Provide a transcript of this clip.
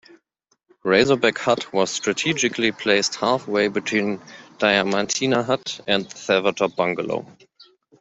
Razorback Hut was strategically placed halfway between Diamantina Hut and the Feathertop Bungalow.